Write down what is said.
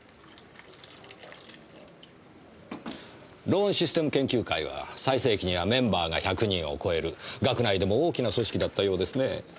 ローンシステム研究会は最盛期にはメンバーが１００人を超える学内でも大きな組織だったようですね。